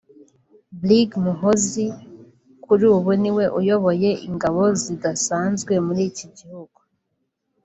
Brig Muhoozi kuri ubu niwe uyoboye ingabo zidasanzwe muri iki gihugu